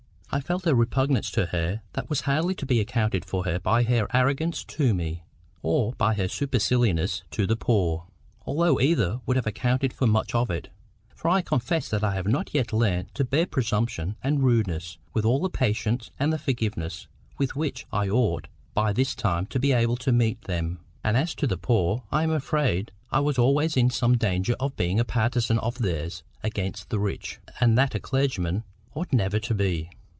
I felt a repugnance to her that was hardly to be accounted for by her arrogance to me, or by her superciliousness to the poor; although either would have accounted for much of it. For I confess that I have not yet learned to bear presumption and rudeness with all the patience and forgiveness with which I ought by this time to be able to meet them. And as to the poor, I am afraid I was always in some danger of being a partizan of theirs against the rich; and that a clergyman ought never to be.